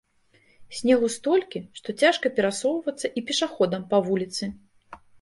Снегу столькі, што цяжка перасоўвацца і пешаходам па вуліцы.